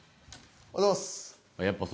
おはようございます。